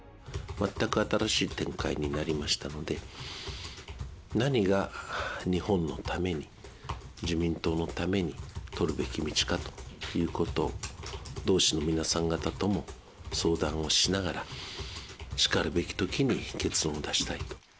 全く新しい展開になりましたので、何が日本のために、自民党のために取るべき道かということ、同志の皆さん方とも相談をしながら、しかるべき時に結論を出したい。